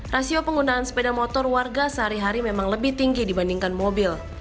rasio penggunaan sepeda motor warga sehari hari memang lebih tinggi dibandingkan mobil